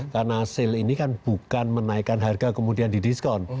karena sale ini kan bukan menaikkan harga kemudian didiskon